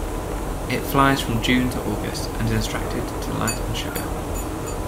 It flies from June to August and is attracted to light and sugar.